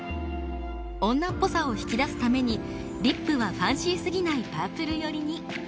女っぽさを引き出すためにリップはファンシーすぎないパープル寄りに。